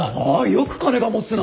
よく金がもつな！